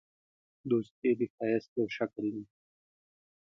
دوستي د ښایست یو شکل دی.